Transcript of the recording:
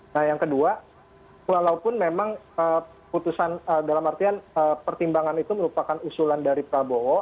nah yang kedua walaupun memang putusan dalam artian pertimbangan itu merupakan usulan dari prabowo